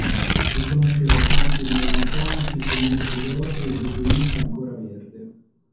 Riconosceva i campi melanconici seminati d'orzo e di frumento ancora verde.